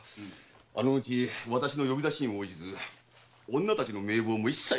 あの後私の呼び出しにも応じず女たちの名簿も一切出せぬと。